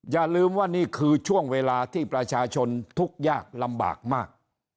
อย่าลืมว่านี่คือช่วงเวลาที่ประชาชนทุกข์ยากลำบากมาก